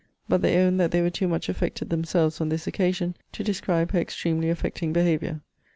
But they owned that they were too much affected themselves on this occasion to describe her extremely affecting behaviour.